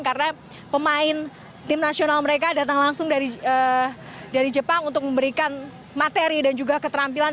karena pemain tim nasional mereka datang langsung dari jepang untuk memberikan materi dan juga keterampilan